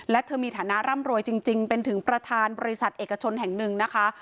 และเธอมีฐานะร่ำรวยจริงเป็นถึงประธานบริษัทเอกชนแห่งหนึ่งนะคะ